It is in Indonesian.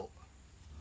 begini aja bang